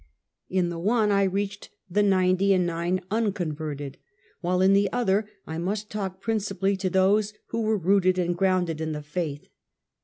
In the one I reached the ninety and nine unconverted, while in the other I must talk principally to those who were rooted and grounded in the faith.